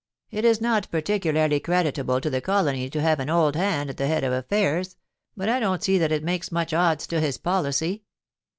.. It is not particularly creditable to the colony to have an old hand at the head of affairs, but I don't see that it makes much odds to his policy.'